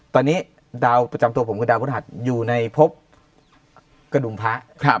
ตอนนี้ดาวประจำตัวผมคือดาวพฤหัสอยู่ในพบกระดุมพระ